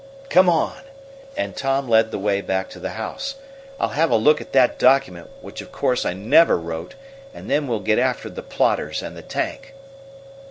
"Come on," and Tom led the way back to the house. "I'll have a look at that document, which of course I never wrote, and then we'll get after the plotters and the tank."